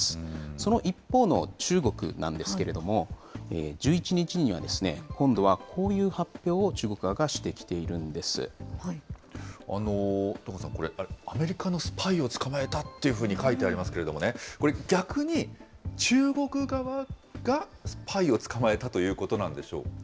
その一方の中国なんですけれども、１１日には今度はこういう発表を戸川さん、これ、アメリカのスパイを捕まえたというふうに書いてありますけれどもね、これ、逆に、中国側がスパイを捕まえたということなんでしょうか。